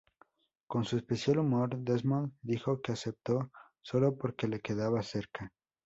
Con su especial humor, Desmond dijo que aceptó sólo porque le quedaba cerca.